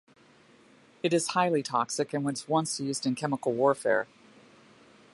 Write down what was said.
It is highly toxic and was once used in chemical warfare.